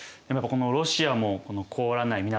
このロシアもこの凍らない港